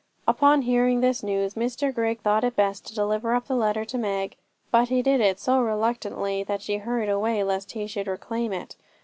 Upon hearing this news Mr Grigg thought it best to deliver up the letter to Meg, but he did it so reluctantly that she hurried away lest he should reclaim it.